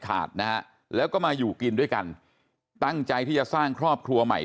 นะฮะแล้วก็มาอยู่กินด้วยกันตั้งใจที่จะสร้างครอบครัวใหม่